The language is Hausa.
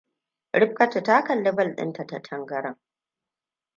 Rifkatu ta kalli bal dinta ta tangaran.